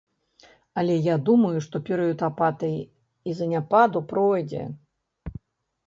Але я думаю, што перыяд апатыі і заняпаду пройдзе.